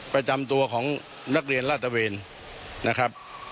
ประจำตัวของนักเรียนราชเทพธิ์